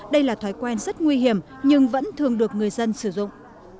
đây là thói quen rất nguy hiểm nhưng vẫn thường được người dân sử dụng